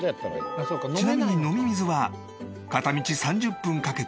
ちなみに飲み水は片道３０分かけて山へくみに。